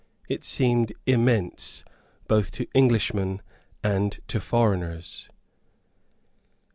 It seemed immense both to Englishmen and to foreigners.